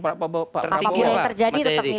pak bowa pak yedi